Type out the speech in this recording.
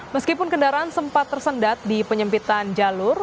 meskipun kendaraan sempat tersendat di penyempitan jalur